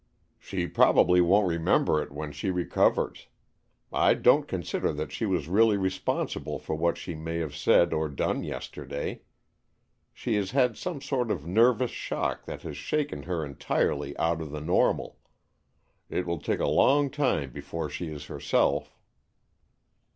"She probably won't remember it when she recovers. I don't consider that she was really responsible for what she may have said or done yesterday. She has had some sort of nervous shock that has shaken her entirely out of the normal. It will take a long time before she is herself."